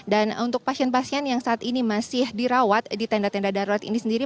dan untuk pasien pasien yang saat ini masih dirawat di tenda tenda darurat ini sendiri